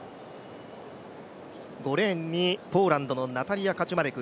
５レーンにポーランドのナタリア・カチュマレク。